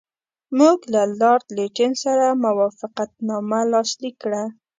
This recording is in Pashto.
موږ له لارډ لیټن سره موافقتنامه لاسلیک کړه.